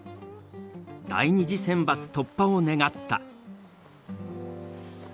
第２次選抜突破を願った。